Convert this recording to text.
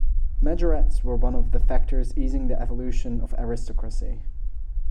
Majorats were one of the factors easing the evolution of aristocracy.